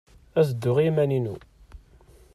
Ad dduɣ i yiman-inu.